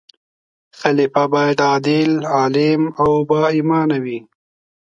خلیفه باید عادل، عالم او با ایمان وي.